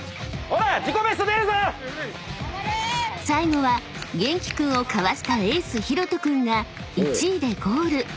［最後はげんき君をかわしたエースひろと君が１位でゴール］